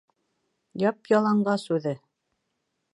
Яп-яланғас үҙе!